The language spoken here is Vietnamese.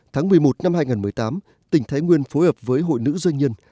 tháng một mươi một năm hai nghìn một mươi tám tỉnh thái nguyên phối hợp với hội nữ doanh nhân